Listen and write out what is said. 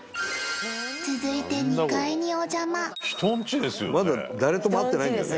続いて２階にお邪魔まだ誰とも会ってないんだよね